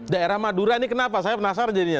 daerah madura ini kenapa saya penasaran jadinya